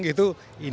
indian itu satu tahun